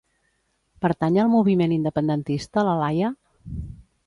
Pertany al moviment independentista la Laya?